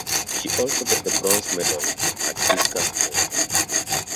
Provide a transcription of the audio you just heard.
She also get the bronze medal at Discus Throw.